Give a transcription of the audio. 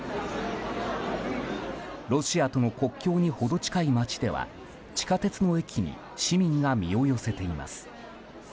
ロシアとの国境に程近い街では地下鉄の駅に市民が身を寄せています。